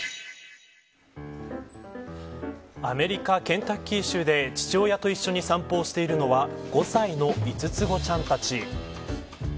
アメリカ、ケンタッキー州で父親と一緒に散歩をしているのは５歳の五つ子ちゃんたち。